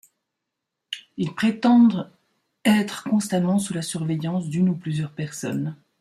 Ils prétendent être constamment sous la surveillance d'une ou plusieurs personnes.